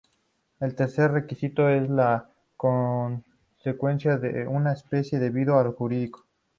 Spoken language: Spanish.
El tercer requisito es la concurrencia de un especial deber jurídico.